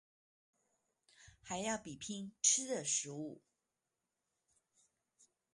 還要比拼吃的食物